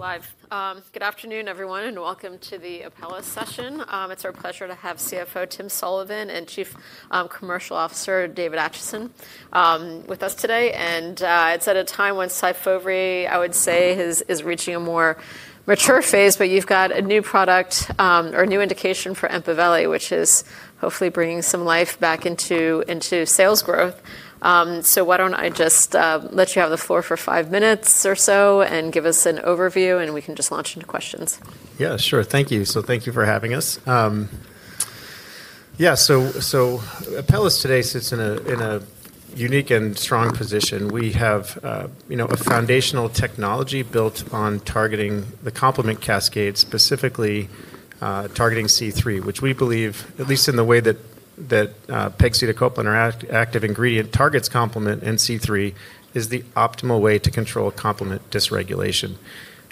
We're live. Good afternoon, everyone, and welcome to the Apellis session. It's our pleasure to have CFO Tim Sullivan and Chief Commercial Officer David Acheson with us today. It's at a time when SYFOVRE, I would say, is reaching a more mature phase, but you've got a new product or a new indication for EMPAVELI, which is hopefully bringing some life back into sales growth. Why don't I just let you have the floor for five minutes or so and give us an overview, and we can just launch into questions. Yeah, sure. Thank you. So thank you for having us. Yeah, so Apellis today sits in a unique and strong position. We have a foundational technology built on targeting the complement cascade, specifically targeting C3, which we believe, at least in the way that pegcetacoplan, our active ingredient, targets complement and C3, is the optimal way to control complement dysregulation.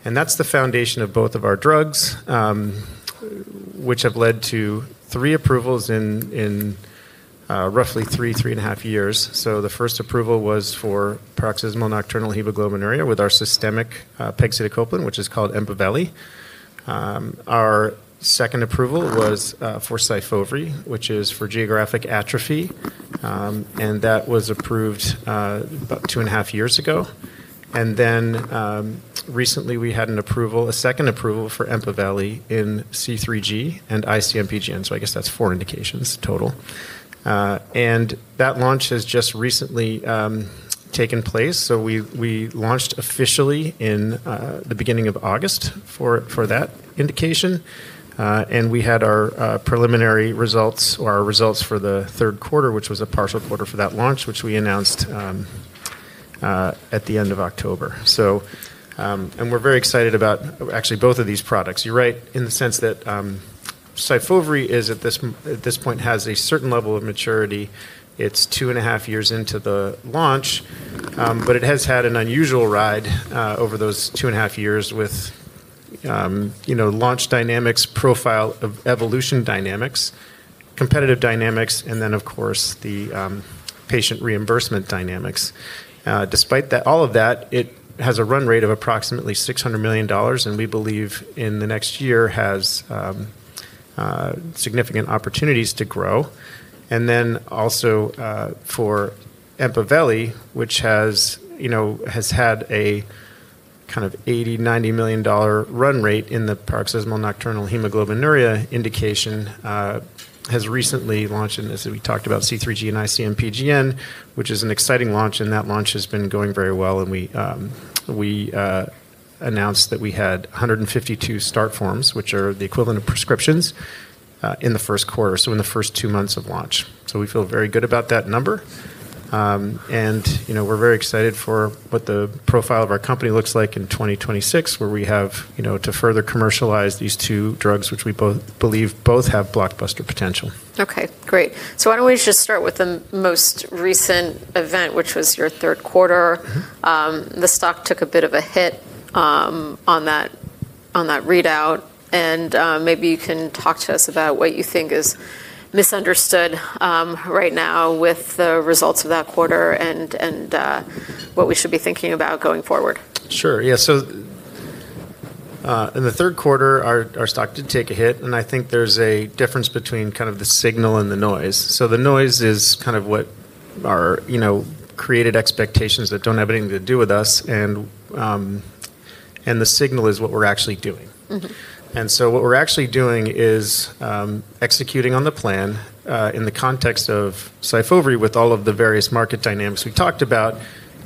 That is the foundation of both of our drugs, which have led to three approvals in roughly three, three and a half years. The first approval was for paroxysmal nocturnal hemoglobinuria with our systemic pegcetacoplan, which is called EMPAVELI. Our second approval was for SYFOVRE, which is for geographic atrophy, and that was approved about two and a half years ago. Recently, we had an approval, a second approval for EMPAVELI in C3G and IC-MPGN. I guess that is four indications total. That launch has just recently taken place. We launched officially in the beginning of August for that indication, and we had our preliminary results or our results for the third quarter, which was a partial quarter for that launch, which we announced at the end of October. We are very excited about actually both of these products. You're right in the sense that SYFOVRE at this point has a certain level of maturity. It's two and a half years into the launch, but it has had an unusual ride over those two and a half years with launch dynamics, profile evolution dynamics, competitive dynamics, and then, of course, the patient reimbursement dynamics. Despite all of that, it has a run rate of approximately $600 million, and we believe in the next year has significant opportunities to grow. For EMPAVELI, which has had a kind of $80 million-$90 million run rate in the paroxysmal nocturnal hemoglobinuria indication, it has recently launched, and as we talked about, C3G and IC-MPGN, which is an exciting launch, and that launch has been going very well. We announced that we had 152 start forms, which are the equivalent of prescriptions, in the first quarter, so in the first two months of launch. We feel very good about that number. We are very excited for what the profile of our company looks like in 2026, where we have to further commercialize these two drugs, which we both believe both have blockbuster potential. Okay, great. Why don't we just start with the most recent event, which was your third quarter. The stock took a bit of a hit on that readout, and maybe you can talk to us about what you think is misunderstood right now with the results of that quarter and what we should be thinking about going forward. Sure. Yeah. In the third quarter, our stock did take a hit, and I think there's a difference between kind of the signal and the noise. The noise is kind of what created expectations that do not have anything to do with us, and the signal is what we're actually doing. What we're actually doing is executing on the plan in the context of SYFOVRE with all of the various market dynamics we talked about.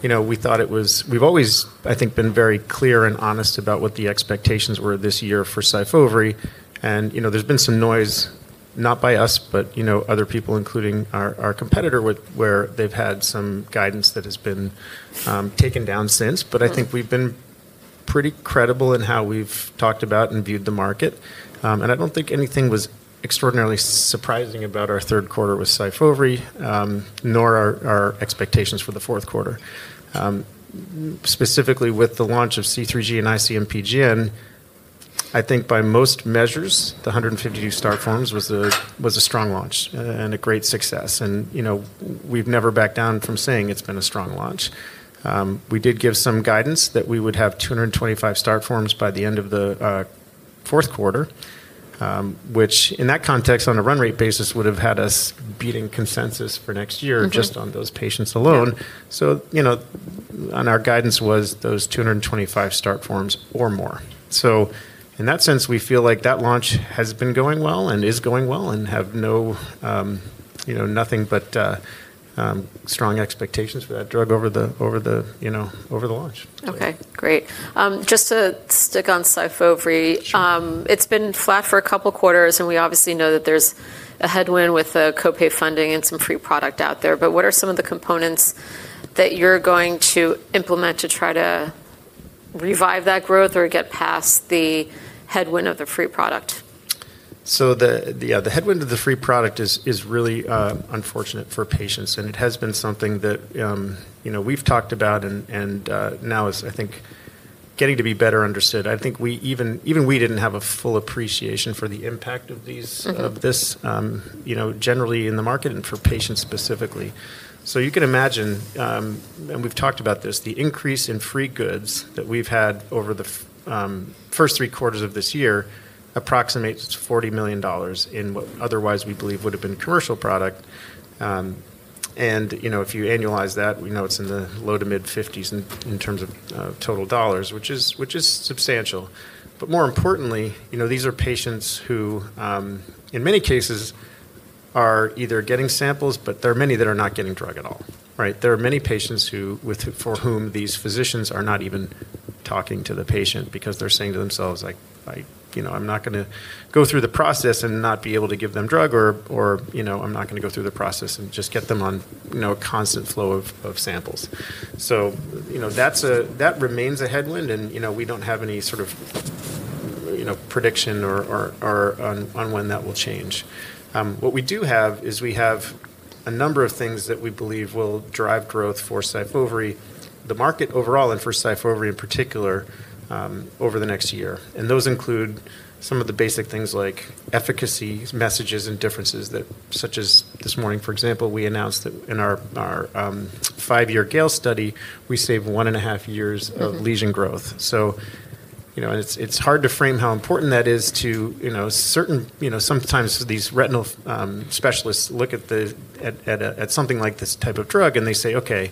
We thought it was, we've always, I think, been very clear and honest about what the expectations were this year for SYFOVRE. There's been some noise, not by us, but other people, including our competitor, where they've had some guidance that has been taken down since. I think we've been pretty credible in how we've talked about and viewed the market. I do not think anything was extraordinarily surprising about our third quarter with SYFOVRE, nor our expectations for the fourth quarter. Specifically, with the launch of C3G and IC-MPGN, I think by most measures, the 152 start forms was a strong launch and a great success. We have never backed down from saying it has been a strong launch. We did give some guidance that we would have 225 start forms by the end of the fourth quarter, which in that context, on a run rate basis, would have had us beating consensus for next year just on those patients alone. Our guidance was those 225 start forms or more. In that sense, we feel like that launch has been going well and is going well and have nothing but strong expectations for that drug over the launch. Okay, great. Just to stick on SYFOVRE, it's been flat for a couple of quarters, and we obviously know that there's a headwind with the copay funding and some free product out there. What are some of the components that you're going to implement to try to revive that growth or get past the headwind of the free product? Yeah, the headwind of the free product is really unfortunate for patients, and it has been something that we've talked about and now is, I think, getting to be better understood. I think even we didn't have a full appreciation for the impact of this generally in the market and for patients specifically. You can imagine, and we've talked about this, the increase in free goods that we've had over the first three quarters of this year approximates $40 million in what otherwise we believe would have been commercial product. If you annualize that, we know it's in the low to mid-$50 million in terms of total dollars, which is substantial. More importantly, these are patients who, in many cases, are either getting samples, but there are many that are not getting drug at all. There are many patients for whom these physicians are not even talking to the patient because they're saying to themselves, "I'm not going to go through the process and not be able to give them drug," or, "I'm not going to go through the process and just get them on a constant flow of samples." That remains a headwind, and we don't have any sort of prediction on when that will change. What we do have is we have a number of things that we believe will drive growth for SYFOVRE, the market overall, and for SYFOVRE in particular over the next year. Those include some of the basic things like efficacy messages and differences that, such as this morning, for example, we announced that in our five-year GALE study, we saved one and a half years of lesion growth. It's hard to frame how important that is to certain, sometimes these retinal specialists look at something like this type of drug and they say, "Okay,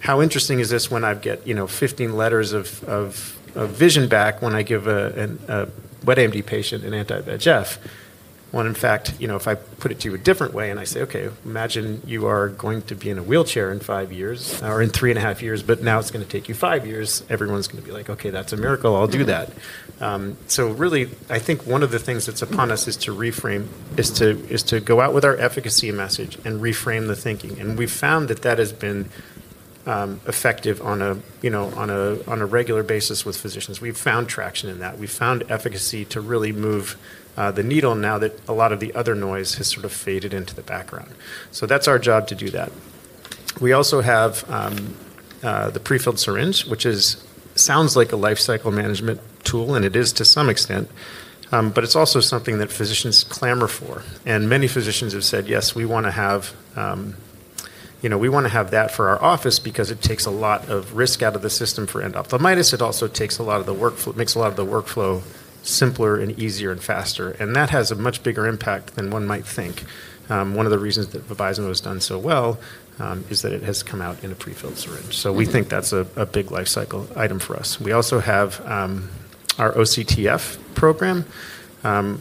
how interesting is this when I get 15 letters of vision back when I give a wet AMD patient an anti-VEGF?" When, in fact, if I put it to you a different way and I say, "Okay, imagine you are going to be in a wheelchair in five years or in three and a half years, but now it's going to take you five years," everyone's going to be like, "Okay, that's a miracle. I'll do that." Really, I think one of the things that's upon us is to reframe, is to go out with our efficacy message and reframe the thinking. We've found that that has been effective on a regular basis with physicians. We've found traction in that. We've found efficacy to really move the needle now that a lot of the other noise has sort of faded into the background. That is our job to do that. We also have the prefilled syringe, which sounds like a lifecycle management tool, and it is to some extent, but it is also something that physicians clamor for. Many physicians have said, "Yes, we want to have that for our office because it takes a lot of risk out of the system for endophthalmitis. It also makes a lot of the workflow simpler and easier and faster." That has a much bigger impact than one might think. One of the reasons that Vibysmo has done so well is that it has come out in a prefilled syringe. We think that is a big lifecycle item for us. We also have our OCTF program, and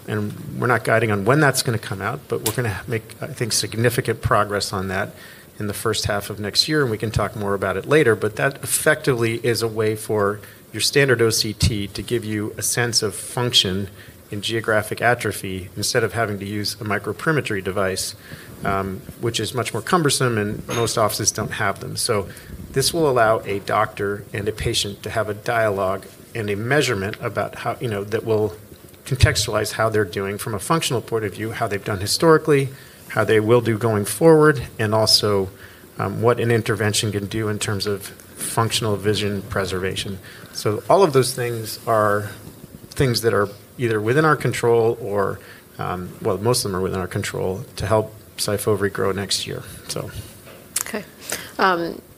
we're not guiding on when that's going to come out, but we're going to make, I think, significant progress on that in the first half of next year, and we can talk more about it later. That effectively is a way for your standard OCTF to give you a sense of function in geographic atrophy instead of having to use a microprimetry device, which is much more cumbersome, and most offices don't have them. This will allow a doctor and a patient to have a dialogue and a measurement that will contextualize how they're doing from a functional point of view, how they've done historically, how they will do going forward, and also what an intervention can do in terms of functional vision preservation. All of those things are things that are either within our control or, well, most of them are within our control to help SYFOVRE grow next year. Okay.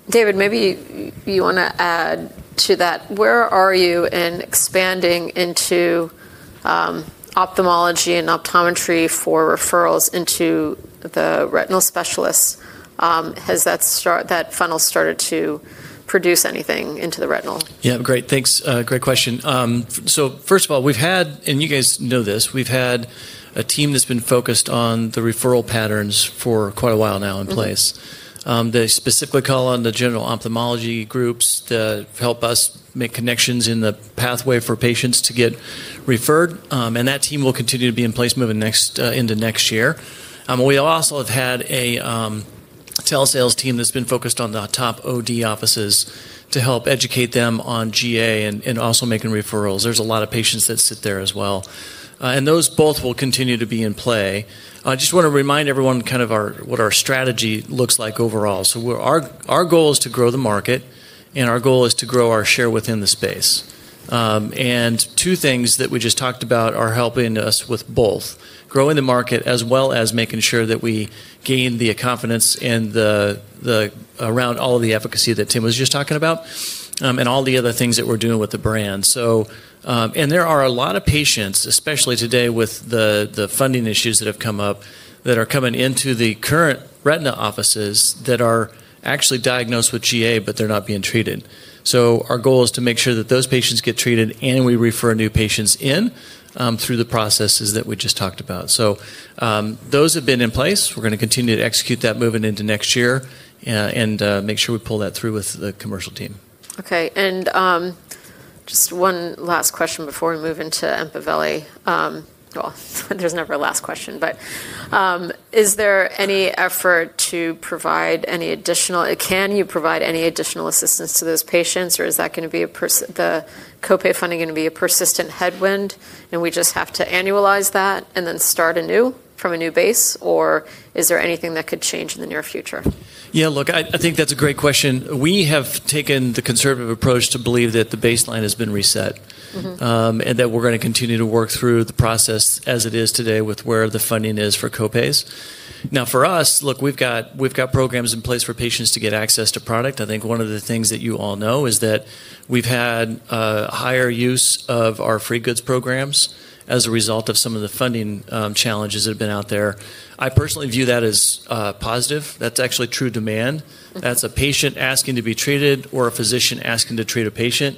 David, maybe you want to add to that. Where are you in expanding into ophthalmology and optometry for referrals into the retinal specialists? Has that funnel started to produce anything into the retinal? Yeah, great. Thanks. Great question. First of all, we've had, and you guys know this, we've had a team that's been focused on the referral patterns for quite a while now in place. They specifically call on the general ophthalmology groups to help us make connections in the pathway for patients to get referred. That team will continue to be in place into next year. We also have had a telesales team that's been focused on the top OD offices to help educate them on GA and also making referrals. There's a lot of patients that sit there as well. Those both will continue to be in play. I just want to remind everyone kind of what our strategy looks like overall. Our goal is to grow the market, and our goal is to grow our share within the space. Two things that we just talked about are helping us with both, growing the market as well as making sure that we gain the confidence around all of the efficacy that Tim was just talking about and all the other things that we're doing with the brand. There are a lot of patients, especially today with the funding issues that have come up, that are coming into the current retina offices that are actually diagnosed with GA, but they're not being treated. Our goal is to make sure that those patients get treated and we refer new patients in through the processes that we just talked about. Those have been in place. We're going to continue to execute that moving into next year and make sure we pull that through with the commercial team. Okay. Just one last question before we move into EMPAVELI. There is never a last question, but is there any effort to provide any additional—can you provide any additional assistance to those patients, or is that going to be the copay funding going to be a persistent headwind, and we just have to annualize that and then start anew from a new base, or is there anything that could change in the near future? Yeah, look, I think that's a great question. We have taken the conservative approach to believe that the baseline has been reset and that we're going to continue to work through the process as it is today with where the funding is for copays. Now, for us, look, we've got programs in place for patients to get access to product. I think one of the things that you all know is that we've had a higher use of our free goods programs as a result of some of the funding challenges that have been out there. I personally view that as positive. That's actually true demand. That's a patient asking to be treated or a physician asking to treat a patient.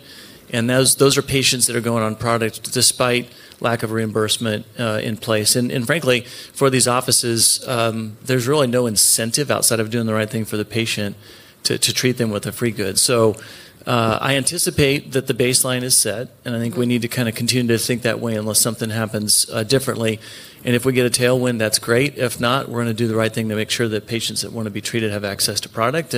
Those are patients that are going on product despite lack of reimbursement in place. Frankly, for these offices, there's really no incentive outside of doing the right thing for the patient to treat them with a free good. I anticipate that the baseline is set, and I think we need to kind of continue to think that way unless something happens differently. If we get a tailwind, that's great. If not, we're going to do the right thing to make sure that patients that want to be treated have access to product.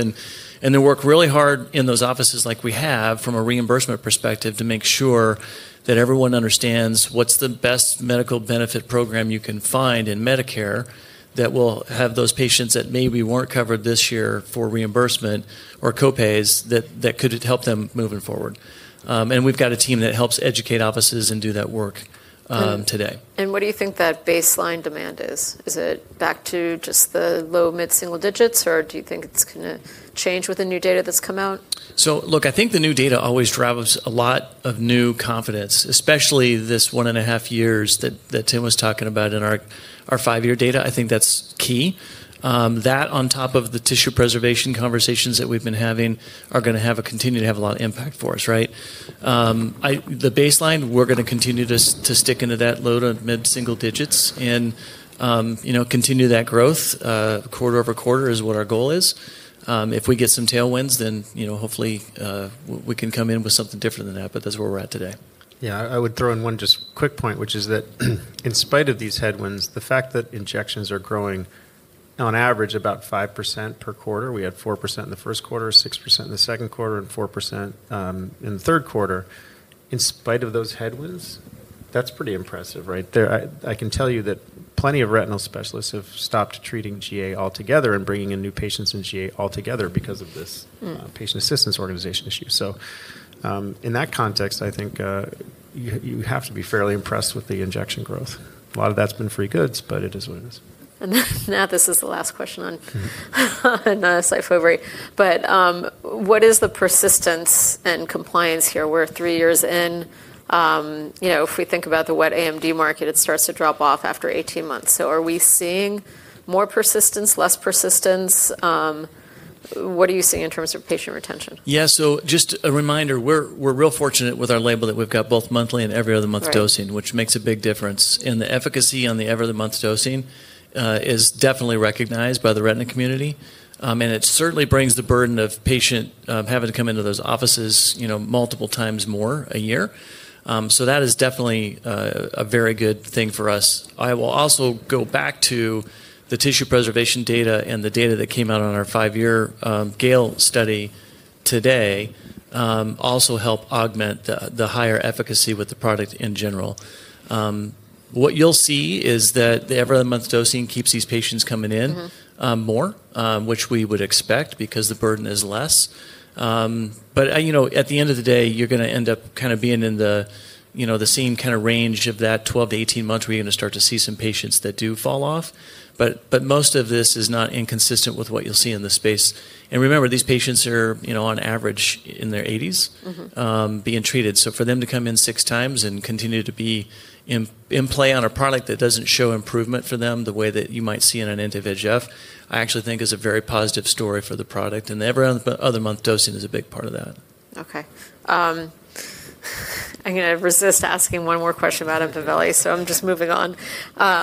They work really hard in those offices like we have from a reimbursement perspective to make sure that everyone understands what's the best medical benefit program you can find in Medicare that will have those patients that maybe weren't covered this year for reimbursement or copays that could help them moving forward. We've got a team that helps educate offices and do that work today. What do you think that baseline demand is? Is it back to just the low, mid-single digits, or do you think it's going to change with the new data that's come out? Look, I think the new data always drives a lot of new confidence, especially this one and a half years that Tim was talking about in our five-year data. I think that's key. That, on top of the tissue preservation conversations that we've been having, are going to continue to have a lot of impact for us, right? The baseline, we're going to continue to stick into that low to mid-single digits and continue that growth. Quarter-over-quarter is what our goal is. If we get some tailwinds, then hopefully we can come in with something different than that, but that's where we're at today. Yeah, I would throw in one just quick point, which is that in spite of these headwinds, the fact that injections are growing on average about 5% per quarter, we had 4% in the first quarter, 6% in the second quarter, and 4% in the third quarter, in spite of those headwinds, that's pretty impressive, right? I can tell you that plenty of retinal specialists have stopped treating GA altogether and bringing in new patients in GA altogether because of this patient assistance organization issue. In that context, I think you have to be fairly impressed with the injection growth. A lot of that's been free goods, but it is what it is. Now this is the last question on SYFOVRE. But what is the persistence and compliance here? We're three years in. If we think about the wet AMD market, it starts to drop off after 18 months. So are we seeing more persistence, less persistence? What are you seeing in terms of patient retention? Yeah, so just a reminder, we're real fortunate with our label that we've got both monthly and every other month dosing, which makes a big difference. The efficacy on the every other month dosing is definitely recognized by the retina community. It certainly brings the burden of patient having to come into those offices multiple times more a year. That is definitely a very good thing for us. I will also go back to the tissue preservation data and the data that came out on our five-year GALE study today also help augment the higher efficacy with the product in general. What you'll see is that the every other month dosing keeps these patients coming in more, which we would expect because the burden is less. At the end of the day, you're going to end up kind of being in the same kind of range of that 12-18 months where you're going to start to see some patients that do fall off. Most of this is not inconsistent with what you'll see in the space. Remember, these patients are on average in their 80s being treated. For them to come in 6x and continue to be in play on a product that doesn't show improvement for them the way that you might see in an anti-VEGF, I actually think is a very positive story for the product. The every other month dosing is a big part of that. Okay. I'm going to resist asking one more question about EMPAVELI, so I'm just moving on.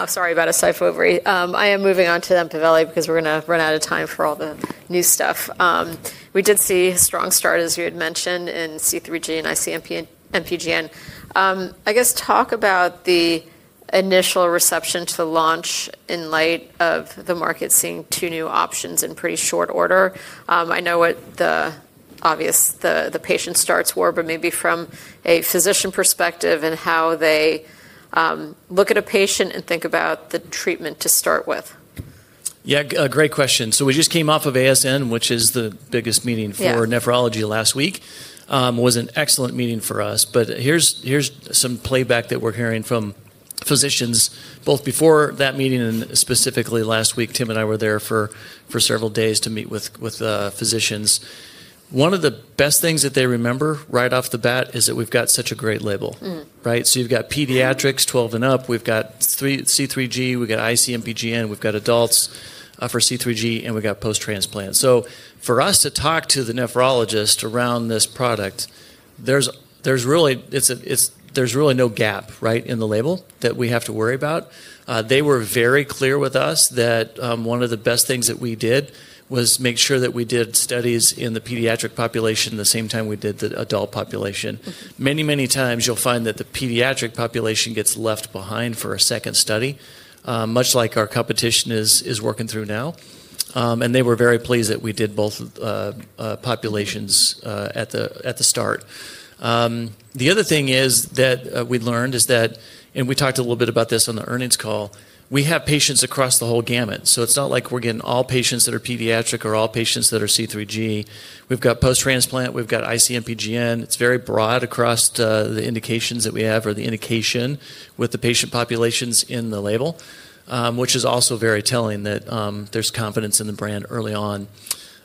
Sorry about SYFOVRE. I am moving on to EMPAVELI because we're going to run out of time for all the new stuff. We did see a strong start, as you had mentioned, in C3G and IC-MPGN. I guess talk about the initial reception to launch in light of the market seeing two new options in pretty short order. I know what the obvious the patient starts were, but maybe from a physician perspective and how they look at a patient and think about the treatment to start with. Yeah, great question. We just came off of ASN, which is the biggest meeting for nephrology last week. It was an excellent meeting for us. Here's some playback that we're hearing from physicians both before that meeting and specifically last week. Tim and I were there for several days to meet with physicians. One of the best things that they remember right off the bat is that we've got such a great label, right? You've got pediatrics, 12 and up. We've got C3G. We've got IC-MPGN. We've got adults for C3G, and we've got post-transplant. For us to talk to the nephrologist around this product, there's really no gap, right, in the label that we have to worry about. They were very clear with us that one of the best things that we did was make sure that we did studies in the pediatric population at the same time we did the adult population. Many, many times you'll find that the pediatric population gets left behind for a second study, much like our competition is working through now. They were very pleased that we did both populations at the start. The other thing that we learned is that, and we talked a little bit about this on the earnings call, we have patients across the whole gamut. It's not like we're getting all patients that are pediatric or all patients that are C3G. We've got post-transplant. We've got IC-MPGN. It's very broad across the indications that we have or the indication with the patient populations in the label, which is also very telling that there's confidence in the brand early on.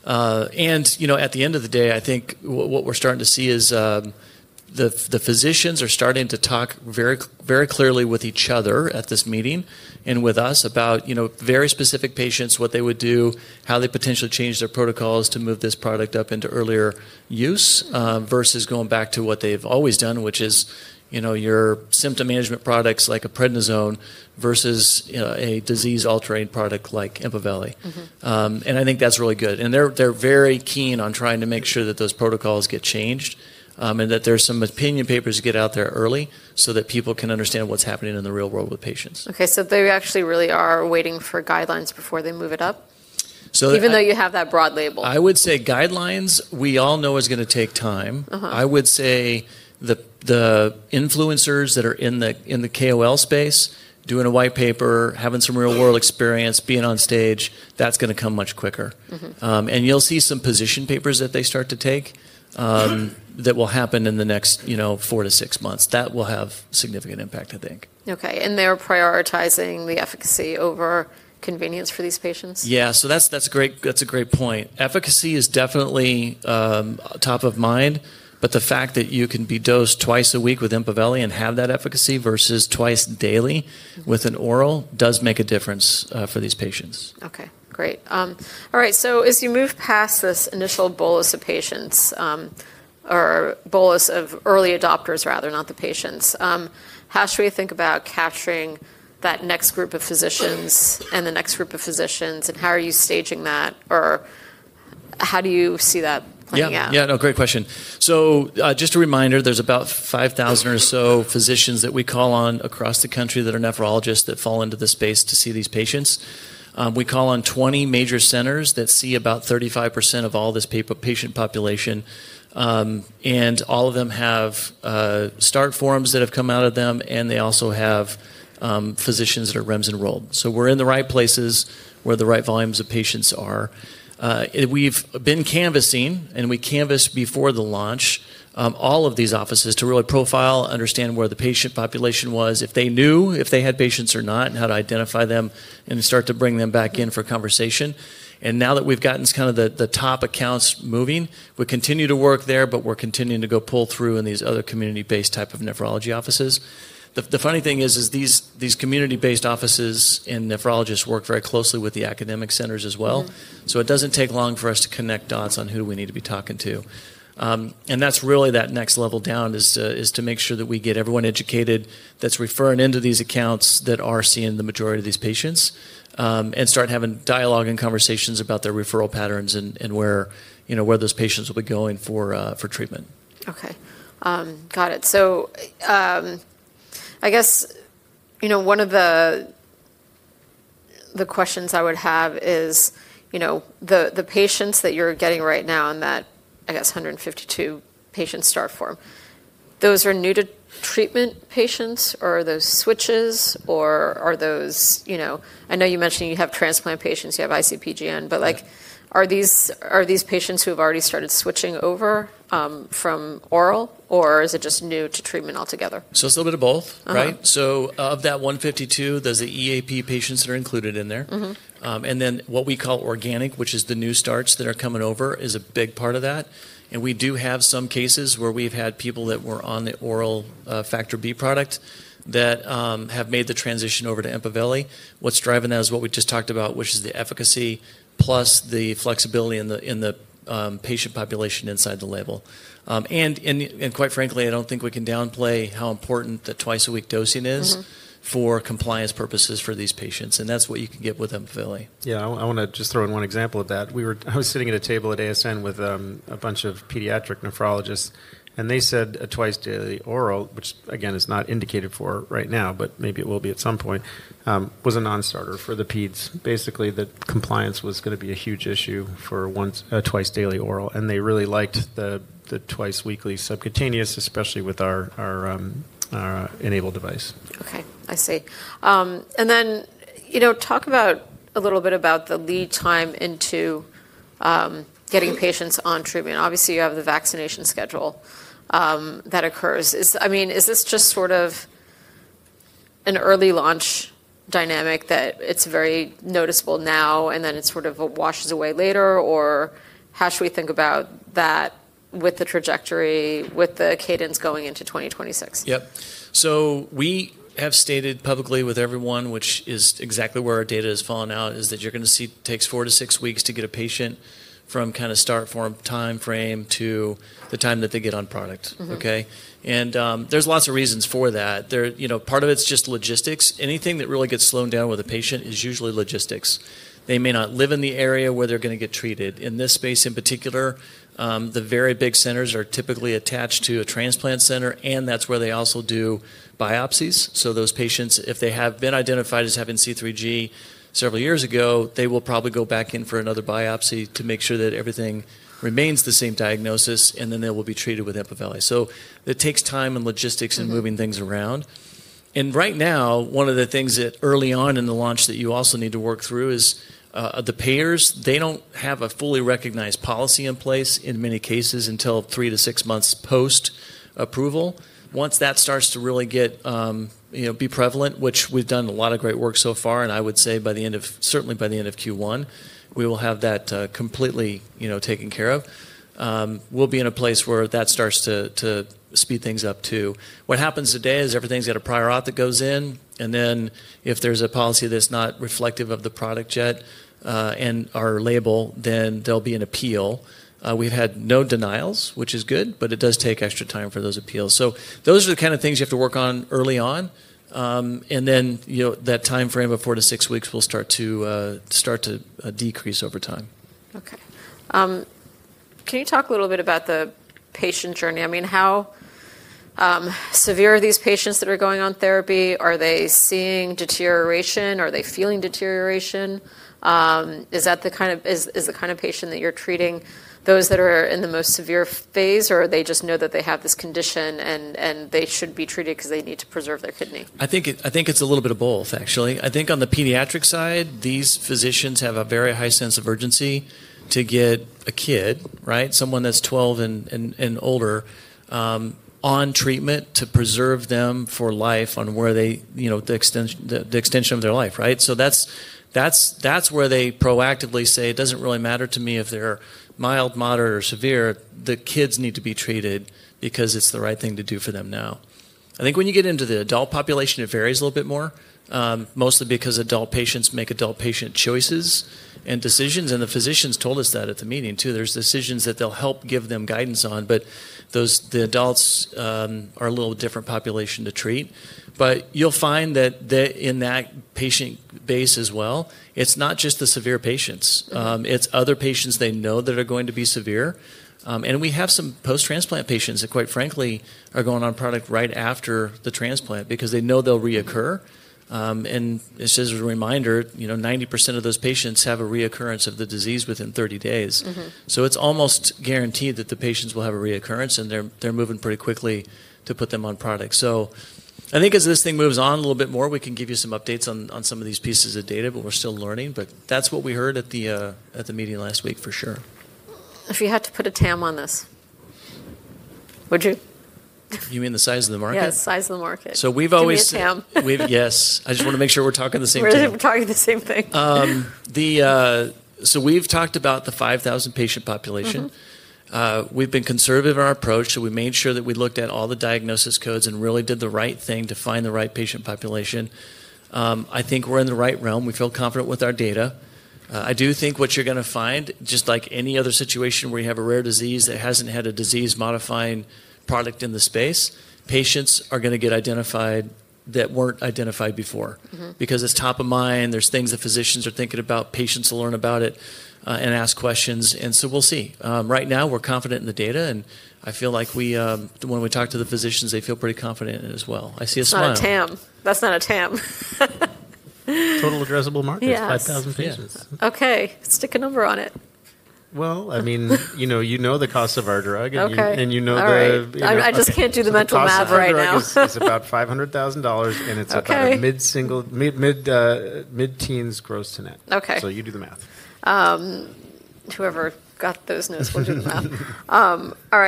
At the end of the day, I think what we're starting to see is the physicians are starting to talk very clearly with each other at this meeting and with us about very specific patients, what they would do, how they potentially change their protocols to move this product up into earlier use versus going back to what they've always done, which is your symptom management products like a prednisone versus a disease-altering product like EMPAVELI. I think that's really good. They're very keen on trying to make sure that those protocols get changed and that some opinion papers get out there early so that people can understand what's happening in the real world with patients. Okay. So they actually really are waiting for guidelines before they move it up, even though you have that broad label. I would say guidelines, we all know is going to take time. I would say the influencers that are in the KOL space, doing a white paper, having some real-world experience, being on stage, that's going to come much quicker. You'll see some position papers that they start to take that will happen in the next four to six months. That will have significant impact, I think. Okay. Are they prioritizing the efficacy over convenience for these patients? Yeah. That's a great point. Efficacy is definitely top of mind, but the fact that you can be dosed twice a week with EMPAVELI and have that efficacy versus twice daily with an oral does make a difference for these patients. Okay. Great. All right. As you move past this initial bolus of patients or bolus of early adopters, rather, not the patients, how should we think about capturing that next group of physicians and the next group of physicians, and how are you staging that, or how do you see that playing out? Yeah. Yeah. No, great question. Just a reminder, there's about 5,000 or so physicians that we call on across the country that are nephrologists that fall into the space to see these patients. We call on 20 major centers that see about 35% of all this patient population. All of them have start forms that have come out of them, and they also have physicians that are REMS-enrolled. We're in the right places where the right volumes of patients are. We've been canvassing, and we canvassed before the launch all of these offices to really profile, understand where the patient population was, if they knew if they had patients or not, and how to identify them and start to bring them back in for conversation. Now that we've gotten kind of the top accounts moving, we continue to work there, but we're continuing to go pull through in these other community-based type of nephrology offices. The funny thing is these community-based offices and nephrologists work very closely with the academic centers as well. It does not take long for us to connect dots on who we need to be talking to. That next level down is to make sure that we get everyone educated who is referring into these accounts that are seeing the majority of these patients and start having dialogue and conversations about their referral patterns and where those patients will be going for treatment. Okay. Got it. I guess one of the questions I would have is the patients that you're getting right now in that, I guess, 152 patient start form, those are new to treatment patients, or are those switches, or are those, I know you mentioned you have transplant patients, you have IC-MPGN, but are these patients who have already started switching over from oral, or is it just new to treatment altogether? It's a little bit of both, right? Of that 152, there's the EAP patients that are included in there. Then what we call organic, which is the new starts that are coming over, is a big part of that. We do have some cases where we've had people that were on the oral factor B product that have made the transition over to EMPAVELI. What's driving that is what we just talked about, which is the efficacy plus the flexibility in the patient population inside the label. Quite frankly, I don't think we can downplay how important the twice-a-week dosing is for compliance purposes for these patients. That's what you can get with EMPAVELI. Yeah. I want to just throw in one example of that. I was sitting at a table at ASN with a bunch of pediatric nephrologists, and they said a twice-daily oral, which, again, is not indicated for right now, but maybe it will be at some point, was a non-starter for the peds. Basically, the compliance was going to be a huge issue for twice-daily oral. They really liked the twice-weekly subcutaneous, especially with our enabled device. Okay. I see. Talk a little bit about the lead time into getting patients on treatment. Obviously, you have the vaccination schedule that occurs. I mean, is this just sort of an early launch dynamic that is very noticeable now, and then it sort of washes away later? How should we think about that with the trajectory, with the cadence going into 2026? Yep. We have stated publicly with everyone, which is exactly where our data has fallen out, is that you're going to see it takes four to six weeks to get a patient from kind of start form timeframe to the time that they get on product, okay? There are lots of reasons for that. Part of it is just logistics. Anything that really gets slowed down with a patient is usually logistics. They may not live in the area where they're going to get treated. In this space in particular, the very big centers are typically attached to a transplant center, and that's where they also do biopsies. Those patients, if they have been identified as having C3G several years ago, they will probably go back in for another biopsy to make sure that everything remains the same diagnosis, and then they will be treated with EMPAVELI. It takes time and logistics and moving things around. Right now, one of the things that early on in the launch that you also need to work through is the payers. They do not have a fully recognized policy in place in many cases until three to six months post-approval. Once that starts to really be prevalent, which we have done a lot of great work so far, and I would say by the end of certainly by the end of Q1, we will have that completely taken care of, we will be in a place where that starts to speed things up too. What happens today is everything has a prior auth that goes in, and then if there is a policy that is not reflective of the product yet and our label, then there will be an appeal. We've had no denials, which is good, but it does take extra time for those appeals. Those are the kind of things you have to work on early on. That timeframe of four to six weeks will start to decrease over time. Okay. Can you talk a little bit about the patient journey? I mean, how severe are these patients that are going on therapy? Are they seeing deterioration? Are they feeling deterioration? Is that the kind of patient that you're treating, those that are in the most severe phase, or they just know that they have this condition and they should be treated because they need to preserve their kidney? I think it's a little bit of both, actually. I think on the pediatric side, these physicians have a very high sense of urgency to get a kid, right, someone that's 12 and older, on treatment to preserve them for life on the extension of their life, right? That's where they proactively say, "It doesn't really matter to me if they're mild, moderate, or severe. The kids need to be treated because it's the right thing to do for them now." I think when you get into the adult population, it varies a little bit more, mostly because adult patients make adult patient choices and decisions. The physicians told us that at the meeting too. There's decisions that they'll help give them guidance on, but the adults are a little different population to treat. You'll find that in that patient base as well, it's not just the severe patients. It's other patients they know that are going to be severe. We have some post-transplant patients that, quite frankly, are going on product right after the transplant because they know they'll reoccur. It's just a reminder, 90% of those patients have a reoccurrence of the disease within 30 days. It's almost guaranteed that the patients will have a reoccurrence, and they're moving pretty quickly to put them on product. I think as this thing moves on a little bit more, we can give you some updates on some of these pieces of data, but we're still learning. That's what we heard at the meeting last week, for sure. If you had to put a TAM on this, would you? You mean the size of the market? Yes, size of the market. We've always. You need a TAM. Yes. I just want to make sure we're talking the same thing. We're talking the same thing. We've talked about the 5,000 patient population. We've been conservative in our approach, so we made sure that we looked at all the diagnosis codes and really did the right thing to find the right patient population. I think we're in the right realm. We feel confident with our data. I do think what you're going to find, just like any other situation where you have a rare disease that hasn't had a disease-modifying product in the space, patients are going to get identified that weren't identified before because it's top of mind. There are things that physicians are thinking about. Patients will learn about it and ask questions. We'll see. Right now, we're confident in the data, and I feel like when we talk to the physicians, they feel pretty confident in it as well. I see a smile. It's not a TAM. That's not a TAM. Total Addressable Market is 5,000 patients. Okay. Stick a number on it. I mean, you know the cost of our drug, and you know the. I just can't do the mental math right now. It's about $500,000, and it's about mid-teens gross to net. So you do the math. Whoever got those notes will do the math. All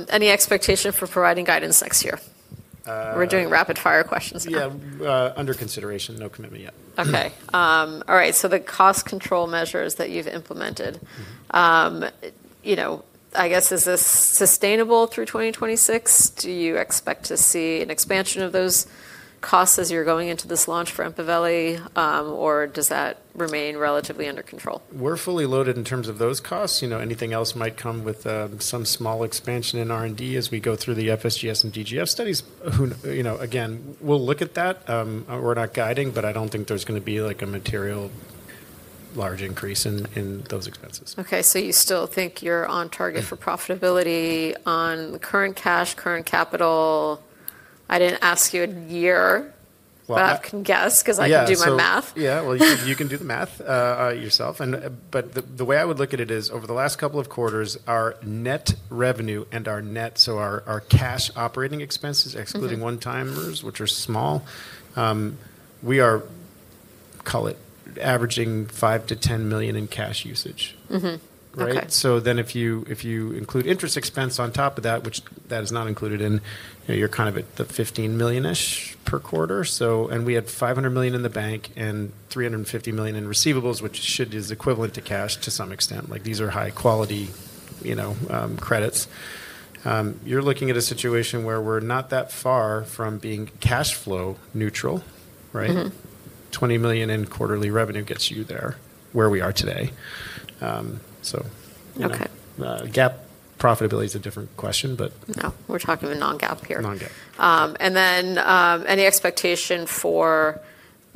right. Any expectation for providing guidance next year? We're doing rapid-fire questions. Yeah. Under consideration. No commitment yet. Okay. All right. So the cost control measures that you've implemented, I guess, is this sustainable through 2026? Do you expect to see an expansion of those costs as you're going into this launch for EMPAVELI, or does that remain relatively under control? We're fully loaded in terms of those costs. Anything else might come with some small expansion in R&D as we go through the FSGS and DGF studies. Again, we'll look at that. We're not guiding, but I don't think there's going to be a material, large increase in those expenses. Okay. So you still think you're on target for profitability on current cash, current capital? I didn't ask you a year, but I can guess because I can do my math. Yeah. You can do the math yourself. The way I would look at it is over the last couple of quarters, our net revenue and our net, so our cash operating expenses, excluding one-timers, which are small, we are, call it, averaging $5 million-$10 million in cash usage, right? If you include interest expense on top of that, which that is not included in, you are kind of at the $15 million-ish per quarter. We had $500 million in the bank and $350 million in receivables, which is equivalent to cash to some extent. These are high-quality credits. You are looking at a situation where we are not that far from being cash flow neutral, right? $20 million in quarterly revenue gets you there where we are today. GAAP profitability is a different question, but. No. We're talking about non-GAAP here. Non-GAAP. Any expectation for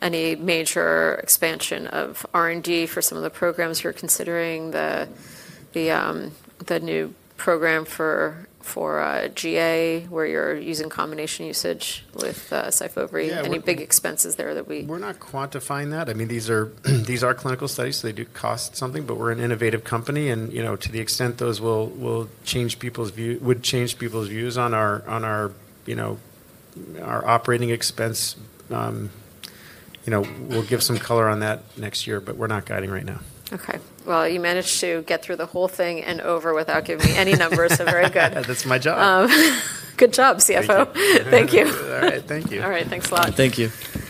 any major expansion of R&D for some of the programs you're considering, the new program for GA where you're using combination usage with SYFOVRE? Any big expenses there that we? We're not quantifying that. I mean, these are clinical studies, so they do cost something, but we're an innovative company. To the extent those will change people's view, would change people's views on our operating expense, we'll give some color on that next year, but we're not guiding right now. Okay. You managed to get through the whole thing and over without giving me any numbers, so very good. That's my job. Good job, CFO. Thank you. All right. Thank you. All right. Thanks a lot. Thank you. Thank you very much. Very annoying. You're very.